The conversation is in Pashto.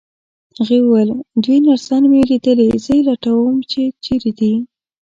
هغه وویل: دوې نرسانې مي لیدلي، زه یې لټوم چي چیري دي.